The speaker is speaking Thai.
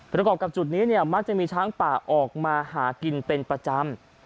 ก็เป็นกับจุดนี้มักจะมีช้างป่าออกมาหากินเป็นประจำ